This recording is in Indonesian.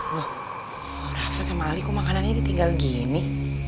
loh rafa sama ali kok makanannya ditinggal gini